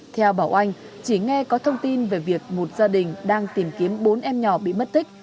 theo bảo anh chỉ nghe có thông tin về việc một gia đình đang tìm kiếm bốn em nhỏ bị mất tích